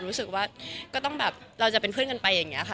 รู้สึกว่าก็ต้องแบบเราจะเป็นเพื่อนกันไปอย่างนี้ค่ะ